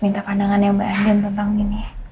minta pandangan yang mbak andin tentang gini